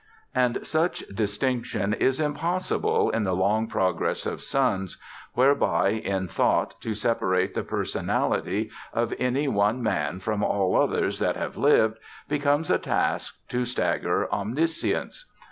And such distinction is impossible in the long progress of suns, whereby in thought to separate the personality of any one man from all others that have lived, becomes a task to stagger Omniscience....